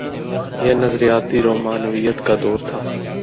یہ نظریاتی رومانویت کا دور تھا۔